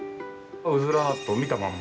うずら納豆見たまんま。